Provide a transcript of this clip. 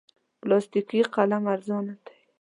پلاستیکي قلم ارزانه دی.